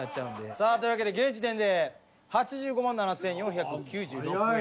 さあというわけで現時点で８５７，４９６円。